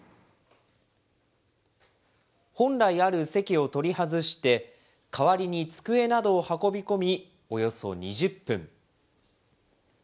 本来ある席を取り外して、代わりに机などを運び込み、およそ２０分。